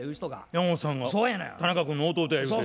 山本さんが田中君の弟やゆうて。